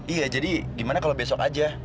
iya jadi gimana kalau besok aja